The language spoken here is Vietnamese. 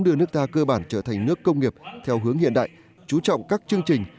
đưa nước ta cơ bản trở thành nước công nghiệp theo hướng hiện đại chú trọng các chương trình